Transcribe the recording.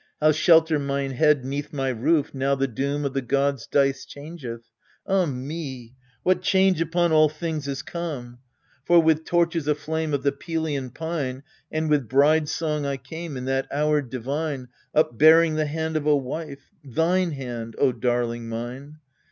How shelter mine head 'Neath my roof, now the doom Of the gods' dice changeth ? ah me, what change upon all things is come ! For with torches aflame Of the Pelian pine, And with bride song I came In that hour divine, Upbearing the hand of a wife thine hand, O darling mine